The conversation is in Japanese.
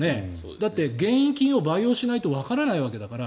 だって、原因菌を培養しないとわからないわけだから。